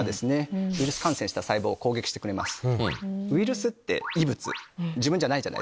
ウイルス感染した細胞を攻撃してくれます。